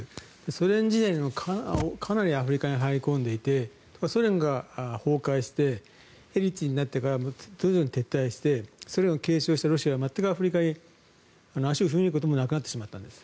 ソ連時代にかなりアフリカに入り込んでいてソ連が崩壊してエリツィンになってから徐々に撤退してソ連を継承したロシアは全くアフリカに足を踏み入れることもなくなってしまったんです。